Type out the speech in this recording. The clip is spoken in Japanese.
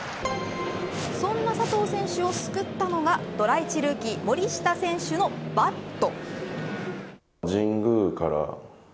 そんな佐藤選手を救ったのがドラ１ルーキー森下選手のバット。